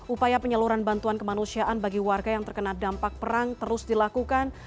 upaya penyaluran bantuan kemanusiaan bagi warga yang terkena dampak perang terus dilakukan